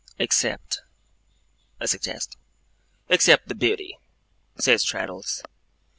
'Except ' I suggest. 'Except the Beauty,' says Traddles.